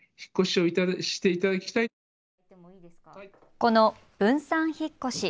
この分散引っ越し。